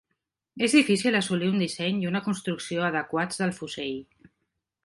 És difícil assolir un disseny i una construcció adequats del fusell.